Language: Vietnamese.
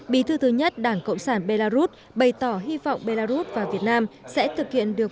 bí thư thứ nhất đảng cộng sản belarus bày tỏ hy vọng belarus và việt nam sẽ thực hiện được